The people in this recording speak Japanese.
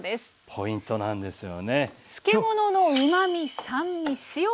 ポイントなんですよね。